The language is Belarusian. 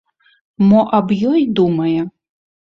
Мо аб ёй думае?